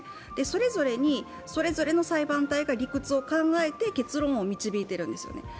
それぞれにそれぞれの裁判体が理屈を考えて判決を導いているんですよね。